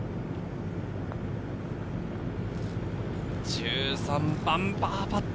１３番、パーパット。